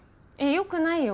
よくないよ。